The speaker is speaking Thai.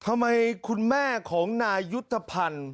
ทำไมคุณแม่ของนายุทธพันธ์